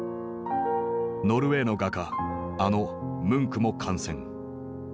ノルウェーの画家あのムンクも感染。